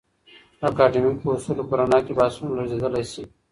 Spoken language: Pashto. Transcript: د اکاډمیکو اصولو په رڼا کي بحثونه لړزیدلی سي.